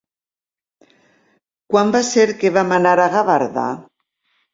Quan va ser que vam anar a Gavarda?